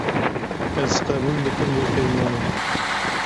Ez qebûl dikim vê peymanê.